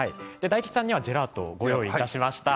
大吉さんにはジェラートをご用意しました。